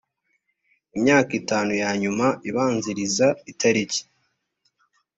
imyaka itanu ya nyuma ibanziriza itariki